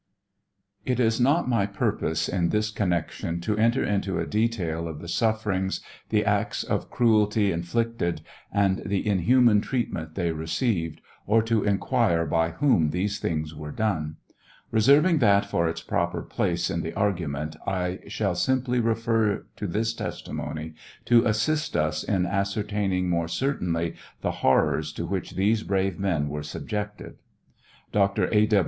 It is not my purpose in tins connection to enter into a detail of the sufferings* the acts of cruelty inflicted, and the inhuman treatment they received, or to inquire by whom these things were done. Reserving that for its proper place in the argument, I shall simply refer to this testimony to assist us in ascer taining more certainly the horrors to which these brave men were subjected. Dr. A.